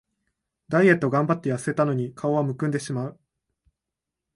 ダイエットがんばってやせたのに顔はむくんでしまう